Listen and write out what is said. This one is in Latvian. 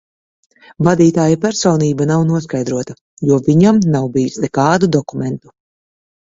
Vadītāja personība nav noskaidrota, jo viņam nav bijis nekādu dokumentu.